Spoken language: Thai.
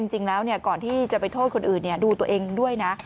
จริงแล้วก่อนที่จะไปโทษคนอื่นดูตัวเองด้วยนะ